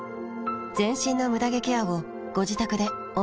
全身のムダ毛ケアをご自宅で思う存分。